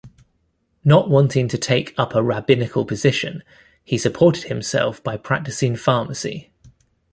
Not wanting to take up a rabbinical position, he supported himself by practicing pharmacy.